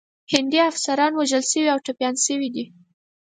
هندي افسران وژل شوي او ټپیان شوي دي.